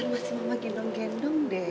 terasaan masih mama gendong gendong deh